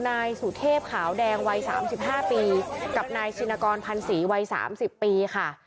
นายสุเทพขาวแดงวัยสามสิบห้าปีกับนายชินากรพันธุ์ศรีวัยสามสิบปีค่ะ